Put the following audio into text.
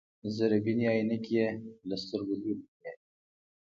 ذره بيني عينکې يې له سترګو لرې کړې.